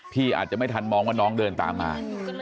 พี่อาจจะไม่ทันมองว่าน้องเดินตามมา